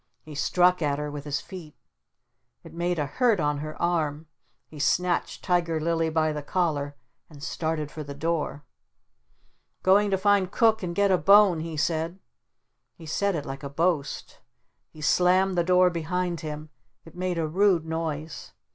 He struck at her with his feet. It made a hurt on her arm. He snatched Tiger Lily by the collar and started for the door. "Going to find Cook and get a bone!" he said. He said it like a boast. He slammed the door behind him. It made a rude noise.